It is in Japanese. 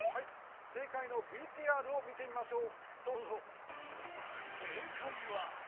正解のＶＴＲを見てみましょう。